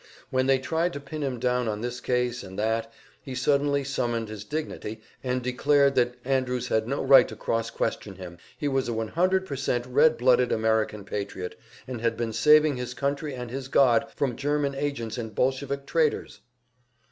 When they tried to pin him down on this case and that, he suddenly summoned his dignity and declared that Andrews had no right to cross question him, he was a 100%, red blooded American patriot, and had been saving his country and his God from German agents and Bolshevik traitors.